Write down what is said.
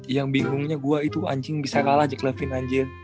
yang bingungnya gue itu anjing bisa kalah jack levine anjir